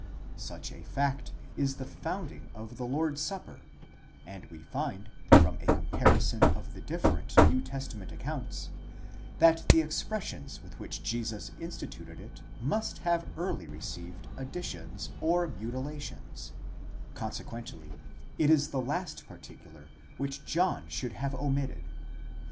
Such a fact is the founding of the Lord's supper, and we find, from a comparison of the different New Testament accounts, that the expressions with which Jesus instituted it must have early received additions or mutilations ; consequently, it is the last particular which John should have omitted.